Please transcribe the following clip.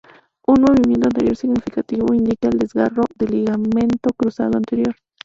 Un movimiento anterior significativo indica un desgarro del ligamento cruzado anterior.